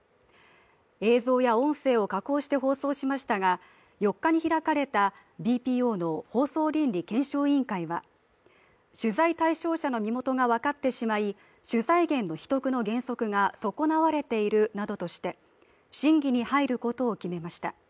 映像や音声を加工して放送しましたが４日に開かれたＢＰＯの放送倫理検証委員会は取材対象者の身元が分かってしまい、取材源の秘匿の原則が損なわれているなどとして審議に入ることを決めました。